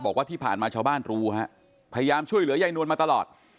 บอกว่าที่ผ่านมาชาวบ้านรู้ฮะพยายามช่วยเหลือยายนวลมาตลอด